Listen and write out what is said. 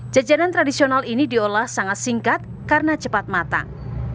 jajanan tradisional ini diolah sangat singkat karena cepat matang